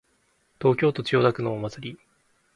東京都千代田区のお祭り